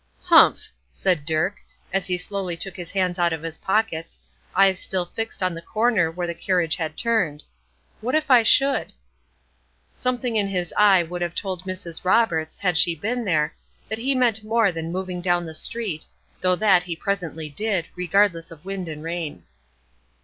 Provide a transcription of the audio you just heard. "Humph!" said Dirk, as he slowly took his hands out of his pockets, eyes still fixed on the corner where the carriage had turned, "what if I should?" Something in his eye would have told Mrs. Roberts, had she been there, that he meant more than moving down the street; though that he presently did, regardless of wind and rain.